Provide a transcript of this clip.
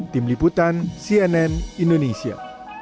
tim liputan cnn indonesia